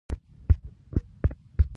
له معبودانو سره هم په اړیکه کې و.